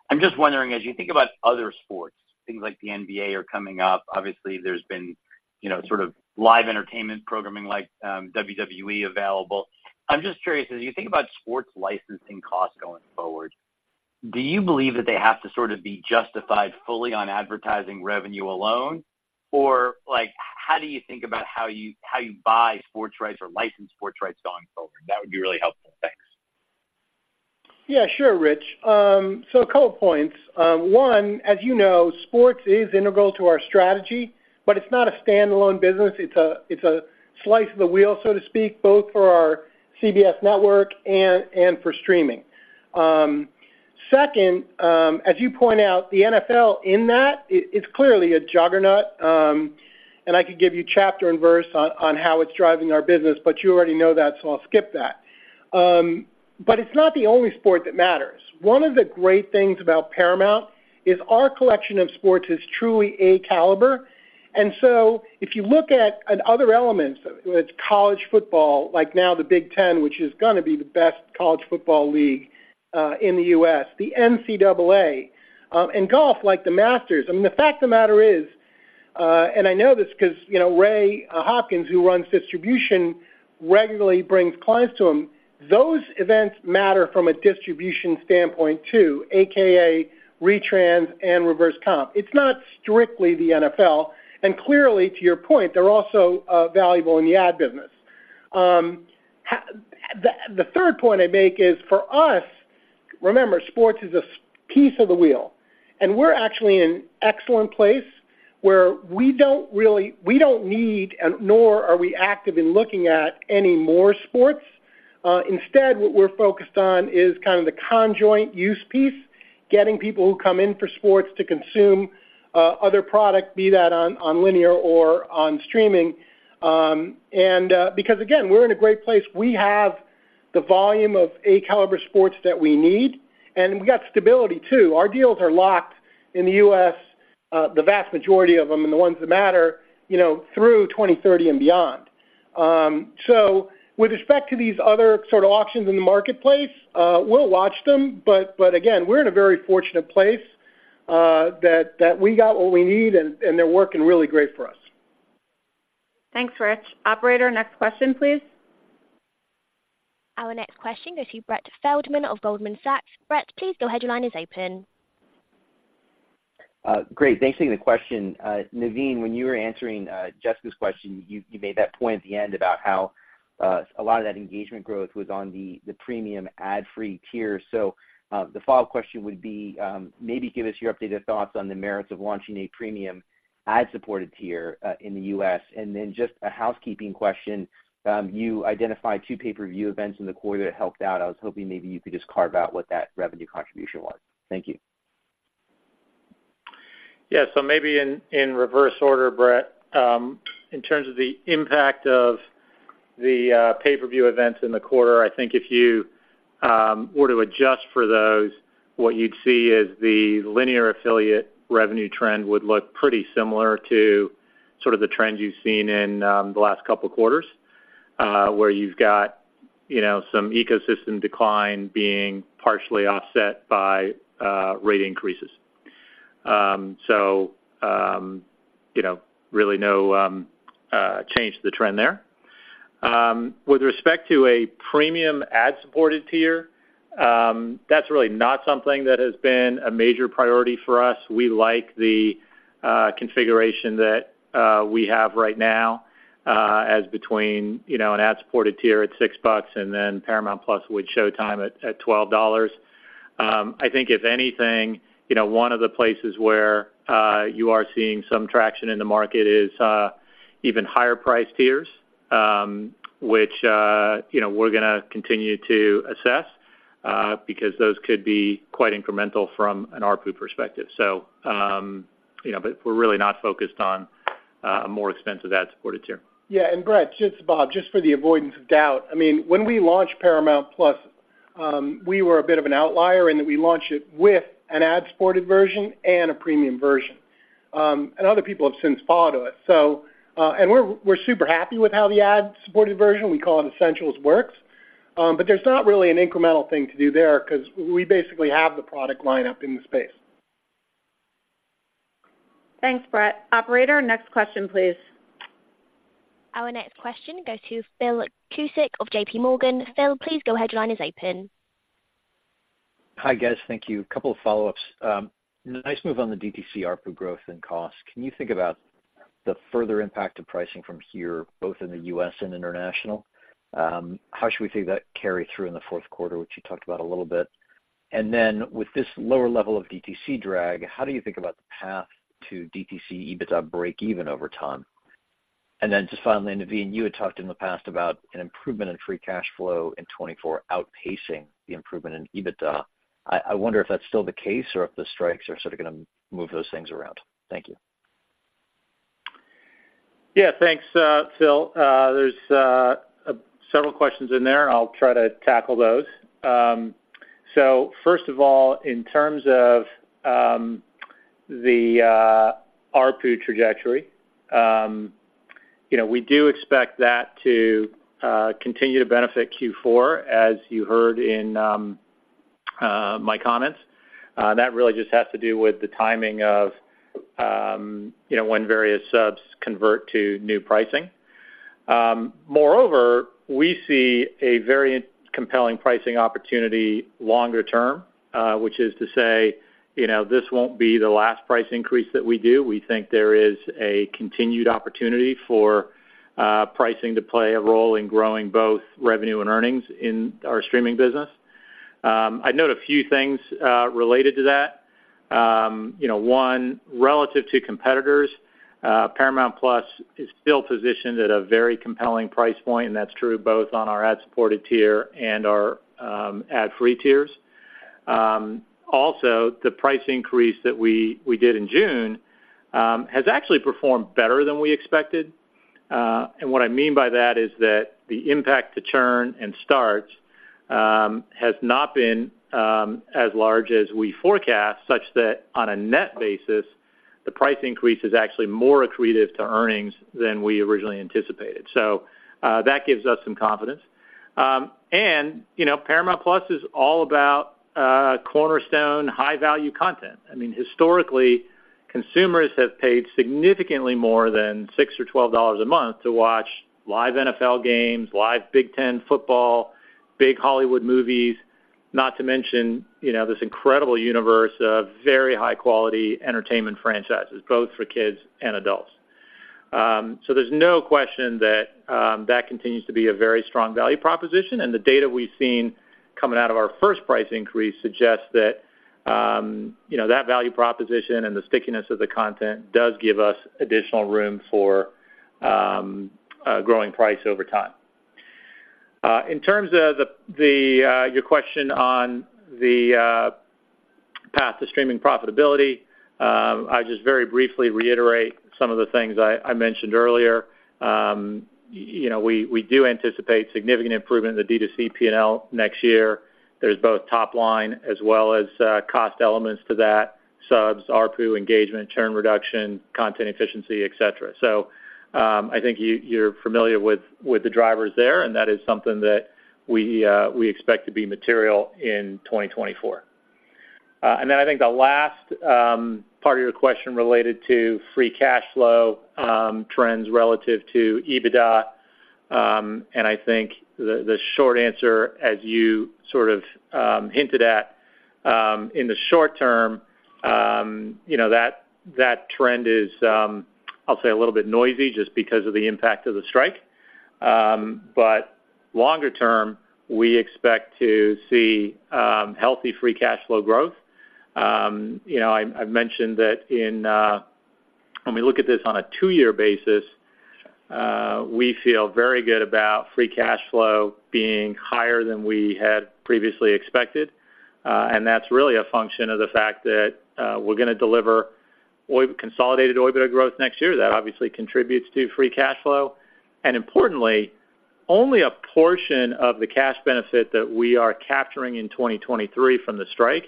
I'm just wondering, as you think about other sports, things like the NBA are coming up. Obviously, there's been, you know, sort of live entertainment programming like, WWE available. I'm just curious, as you think about sports licensing costs going forward, do you believe that they have to sort of be justified fully on advertising revenue alone? Or, like, how do you think about how you, how you buy sports rights or license sports rights going forward? That would be really helpful. Thanks. Yeah, sure, Rich. So a couple of points. One, as you know, sports is integral to our strategy, but it's not a standalone business. It's a slice of the wheel, so to speak, both for our CBS network and for streaming. Second, as you point out, the NFL in that is clearly a juggernaut, and I could give you chapter and verse on how it's driving our business, but you already know that, so I'll skip that. But it's not the only sport that matters. One of the great things about Paramount is our collection of sports is truly A caliber. And so if you look at other elements, whether it's college football, like now the Big Ten, which is going to be the best college football league in the U.S., the NCAA, and golf, like the Masters. I mean, the fact of the matter is, and I know this because, you know, Ray Hopkins, who runs distribution, regularly brings clients to him. Those events matter from a distribution standpoint, too, AKA retrans and reverse comp. It's not strictly the NFL, and clearly, to your point, they're also valuable in the ad business. The third point I make is for us, remember, sports is a piece of the wheel, and we're actually in excellent place where we don't need, nor are we active in looking at any more sports. Instead, what we're focused on is kind of the conjoint use piece, getting people who come in for sports to consume other product, be that on linear or on streaming. And because, again, we're in a great place. We have the volume of A-caliber sports that we need, and we got stability, too. Our deals are locked in the U.S., the vast majority of them, and the ones that matter, you know, through 2030 and beyond. So with respect to these other sort of options in the marketplace, we'll watch them, but again, we're in a very fortunate place, that we got what we need and they're working really great for us. Thanks, Rich. Operator, next question, please. Our next question goes to Brett Feldman of Goldman Sachs. Brett, please, go ahead, your line is open. Great. Thanks for the question. Naveen, when you were answering Jessica's question, you made that point at the end about how a lot of that engagement growth was on the premium ad-free tier. So, the follow-up question would be, maybe give us your updated thoughts on the merits of launching a premium ad-supported tier in the U.S. And then just a housekeeping question, you identified two pay-per-view events in the quarter that helped out. I was hoping maybe you could just carve out what that revenue contribution was. Thank you. Yeah, so maybe in reverse order, Brett. In terms of the impact of the pay-per-view events in the quarter, I think if you were to adjust for those, what you'd see is the linear affiliate revenue trend would look pretty similar to sort of the trends you've seen in the last couple of quarters, where you've got, you know, some ecosystem decline being partially offset by rate increases. So, you know, really no change to the trend there. With respect to a premium ad-supported tier, that's really not something that has been a major priority for us. We like the configuration that we have right now, as between, you know, an ad-supported tier at $6 and then Paramount+ with Showtime at $12. I think if anything, you know, one of the places where you are seeing some traction in the market is even higher-priced tiers, which, you know, we're going to continue to assess because those could be quite incremental from an ARPU perspective. So, you know, but we're really not focused on a more expensive ad-supported tier. Yeah, and Brett, just Bob, just for the avoidance of doubt, I mean, when we launched Paramount+, we were a bit of an outlier in that we launched it with an ad-supported version and a premium version. And other people have since followed us. So, and we're, we're super happy with how the ad-supported version, we call it Essential, works. But there's not really an incremental thing to do there because we basically have the product lineup in the space. Thanks, Brett. Operator, next question, please. Our next question goes to Phil Cusick of JPMorgan. Phil, please, go ahead, your line is open. Hi, guys. Thank you. A couple of follow-ups. Nice move on the D2C ARPU growth and cost. Can you think about the further impact of pricing from here, both in the U.S. and international? How should we see that carry through in the Q4, which you talked about a little bit? And then with this lower level of DTC drag, how do you think about the path to DTC EBITDA break even over time? And then just finally, Naveen, you had talked in the past about an improvement in free cash flow in 2024 outpacing the improvement in EBITDA. I, I wonder if that's still the case or if the strikes are sort of gonna move those things around. Thank you. Yeah, thanks, Phil. There's several questions in there, and I'll try to tackle those. So first of all, in terms of the ARPU trajectory, you know, we do expect that to continue to benefit Q4, as you heard in my comments. That really just has to do with the timing of you know, when various subs convert to new pricing. Moreover, we see a very compelling pricing opportunity longer term, which is to say, you know, this won't be the last price increase that we do. We think there is a continued opportunity for pricing to play a role in growing both revenue and earnings in our streaming business. I'd note a few things related to that. You know, one, relative to competitors, Paramount+ is still positioned at a very compelling price point, and that's true both on our ad-supported tier and our ad-free tiers. Also, the price increase that we did in June has actually performed better than we expected. And what I mean by that is that the impact to churn and starts has not been as large as we forecast, such that on a net basis, the price increase is actually more accretive to earnings than we originally anticipated. So, that gives us some confidence. And, you know, Paramount+ is all about cornerstone, high-value content. I mean, historically, consumers have paid significantly more than $6 or $12 a month to watch live NFL games, live Big Ten football, big Hollywood movies, not to mention, you know, this incredible universe of very high-quality entertainment franchises, both for kids and adults. So there's no question that that continues to be a very strong value proposition, and the data we've seen coming out of our first price increase suggests that, you know, that value proposition and the stickiness of the content does give us additional room for a growing price over time. In terms of your question on the path to streaming profitability, I'll just very briefly reiterate some of the things I mentioned earlier. You know, we do anticipate significant improvement in the D2C P&L next year. There's both top line as well as cost elements to that, subs, ARPU, engagement, churn reduction, content efficiency, et cetera. So, I think you, you're familiar with the drivers there, and that is something that we expect to be material in 2024. And then I think the last part of your question related to free cash flow trends relative to EBITDA, and I think the short answer, as you sort of hinted at, in the short term, you know, that trend is, I'll say, a little bit noisy just because of the impact of the strike. But longer term, we expect to see healthy free cash flow growth. You know, I, I've mentioned that in, when we look at this on a two-year basis, we feel very good about free cash flow being higher than we had previously expected, and that's really a function of the fact that we're gonna deliver consolidated OIBDA growth next year. That obviously contributes to free cash flow. Importantly, only a portion of the cash benefit that we are capturing in 2023 from the strike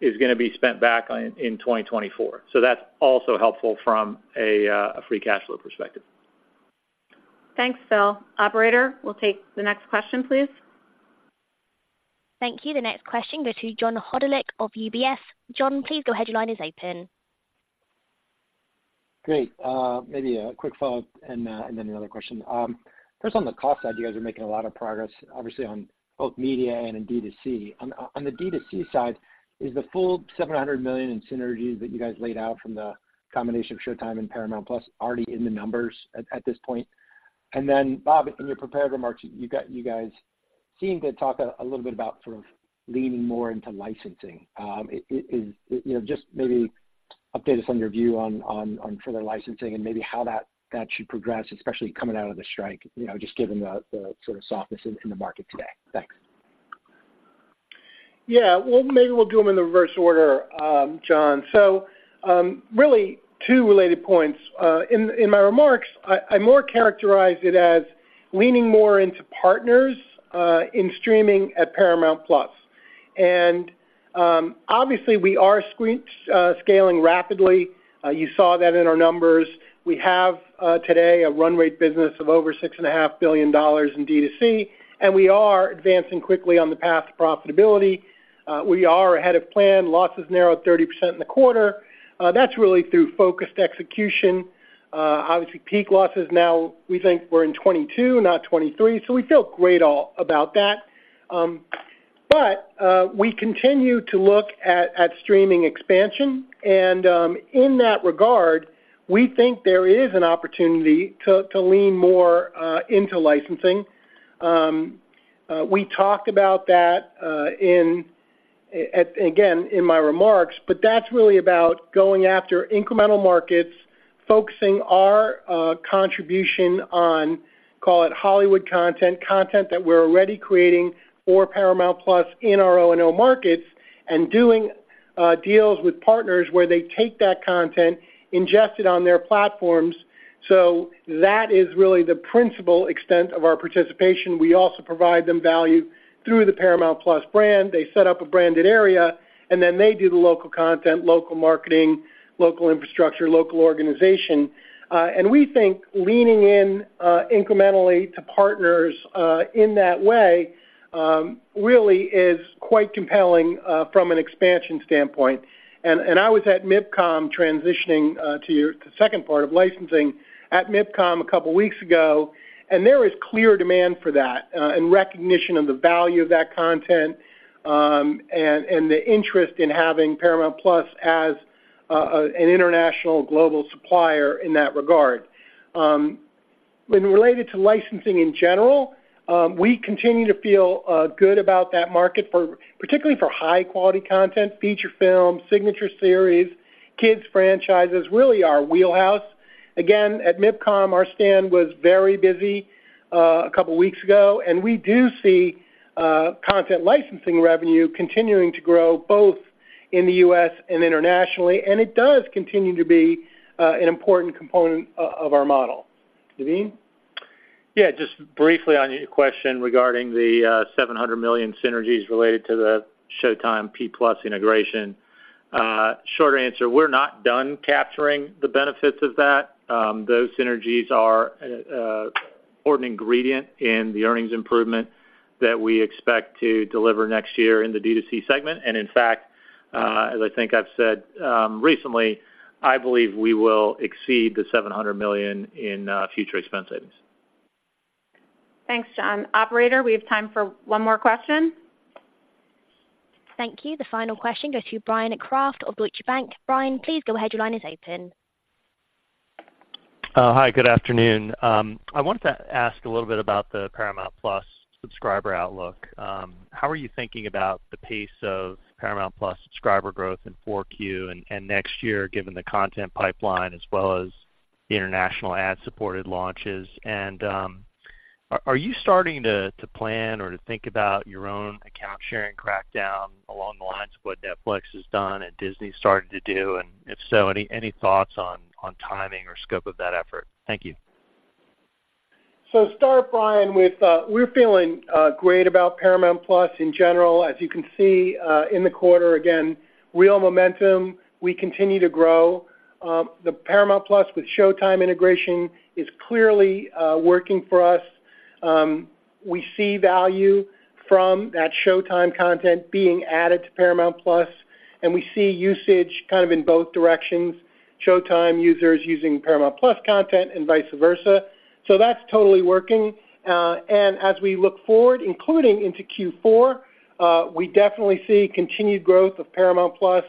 is gonna be spent back on in 2024. That's also helpful from a free cash flow perspective. Thanks, Phil. Operator, we'll take the next question, please. Thank you. The next question goes to John Hodulik of UBS. John, please go ahead. Your line is open. Great. Maybe a quick follow-up and then another question. First, on the cost side, you guys are making a lot of progress, obviously, on both media and in D2C. On the D2C side, is the full $700 million in synergies that you guys laid out from the combination of Showtime and Paramount+ already in the numbers at this point? And then, Bob, in your prepared remarks, you guys seemed to talk a little bit about sort of leaning more into licensing. You know, just maybe update us on your view on further licensing and how that should progress, especially coming out of the strike, you know, just given the sort of softness in the market today. Thanks. Yeah. Well, maybe we'll do them in the reverse order, John. So, really two related points. In my remarks, I more characterized it as leaning more into partners in streaming at Paramount+. And, obviously, we are scaling rapidly. You saw that in our numbers. We have today a run rate business of over $6.5 billion in D2C, and we are advancing quickly on the path to profitability. We are ahead of plan. Losses narrowed 30% in the quarter. That's really through focused execution. Obviously, peak losses now, we think we're in 2022, not 2023, so we feel great all about that. But we continue to look at streaming expansion, and in that regard, we think there is an opportunity to lean more into licensing. We talked about that again in my remarks, but that's really about going after incremental markets, focusing our contribution on, call it, Hollywood content, content that we're already creating for Paramount+ in our O&O markets, and doing deals with partners where they take that content, ingest it on their platforms. So that is really the principal extent of our participation. We also provide them value through the Paramount+ brand. They set up a branded area, and then they do the local content, local marketing, local infrastructure, local organization. And we think leaning in incrementally to partners in that way really is quite compelling from an expansion standpoint. And I was at MIPCOM, transitioning to your second part of licensing, at MIPCOM a couple weeks ago, and there is clear demand for that, and recognition of the value of that content, and the interest in having Paramount+ as an international global supplier in that regard. When related to licensing in general, we continue to feel good about that market for particularly for high-quality content, feature films, signature series, kids franchises, really our wheelhouse. Again, at MIPCOM, our stand was very busy a couple of weeks ago, and we do see content licensing revenue continuing to grow, both in the U.S. and internationally, and it does continue to be an important component of our model. Naveen? Yeah, just briefly on your question regarding the $700 million synergies related to the Showtime P+ integration. Short answer, we're not done capturing the benefits of that. Those synergies are an important ingredient in the earnings improvement that we expect to deliver next year in the D2C segment. And in fact, as I think I've said recently, I believe we will exceed the $700 million in future expense savings. Thanks, John. Operator, we have time for one more question. Thank you. The final question goes to Bryan Kraft of Deutsche Bank. Bryan, please go ahead. Your line is open. Hi, good afternoon. I wanted to ask a little bit about the Paramount+ subscriber outlook. How are you thinking about the pace of Paramount+ subscriber growth in 4Q and next year, given the content pipeline as well as the international ad-supported launches? And, are you starting to plan or to think about your own account sharing crackdown along the lines of what Netflix has done and Disney's starting to do? And if so, any thoughts on timing or scope of that effort? Thank you. So start, Bryan, with, we're feeling great about Paramount+ in general. As you can see, in the quarter, again, real momentum. We continue to grow. The Paramount+ with Showtime integration is clearly working for us. We see value from that Showtime content being added to Paramount+, and we see usage kind of in both directions, Showtime users using Paramount+ content and vice versa. So that's totally working. And as we look forward, including into Q4, we definitely see continued growth of Paramount+, both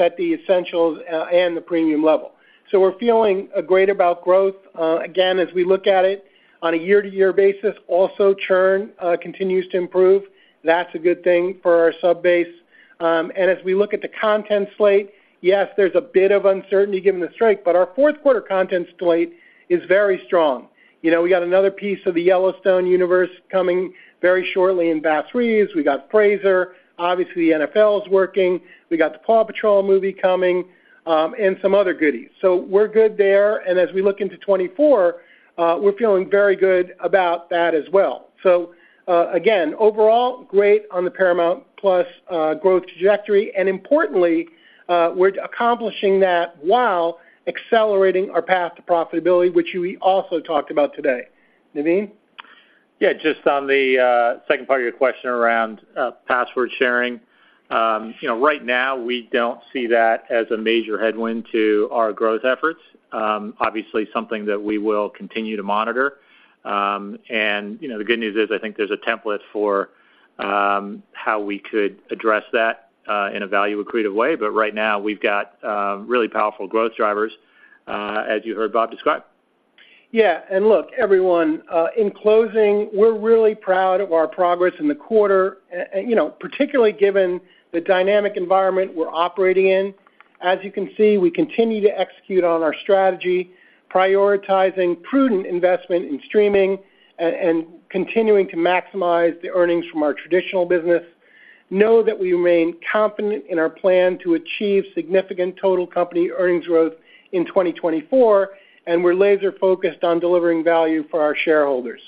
at the Essential and the premium level. So we're feeling great about growth. Again, as we look at it on a year-to-year basis, also churn continues to improve. That's a good thing for our sub base. And as we look at the content slate, yes, there's a bit of uncertainty given the strike, but our Q4 content slate is very strong. You know, we got another piece of the Yellowstone universe coming very shortly in Bass Reeves. We got Frasier. Obviously, NFL is working. We got the Paw Patrol movie coming, and some other goodies. So we're good there, and as we look into 2024, we're feeling very good about that as well. So, again, overall, great on the Paramount+ growth trajectory, and importantly, we're accomplishing that while accelerating our path to profitability, which we also talked about today. Naveen? Yeah, just on the second part of your question around password sharing. You know, right now, we don't see that as a major headwind to our growth efforts. Obviously, something that we will continue to monitor. And, you know, the good news is, I think there's a template for how we could address that in a value-accretive way. But right now, we've got really powerful growth drivers as you heard Bob describe. Yeah. And look, everyone, in closing, we're really proud of our progress in the quarter, you know, particularly given the dynamic environment we're operating in. As you can see, we continue to execute on our strategy, prioritizing prudent investment in streaming and continuing to maximize the earnings from our traditional business. Know that we remain confident in our plan to achieve significant total company earnings growth in 2024, and we're laser-focused on delivering value for our shareholders.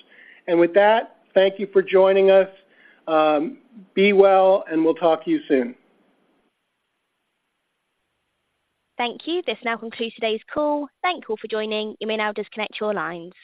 And with that, thank you for joining us. Be well, and we'll talk to you soon. Thank you. This now concludes today's call. Thank you all for joining. You may now disconnect your lines.